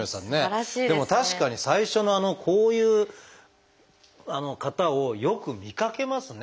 でも確かに最初のあのこういう方をよく見かけますね。